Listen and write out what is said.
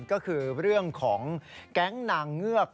ก็คือเรื่องของแก๊งนางเงือก